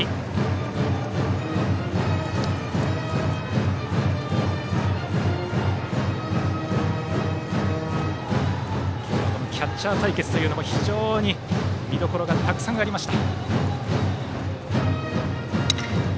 今日はキャッチャー対決も非常に見どころがたくさんありました。